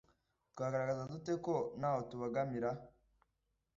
twagaragaza dute ko nta ho tubogamira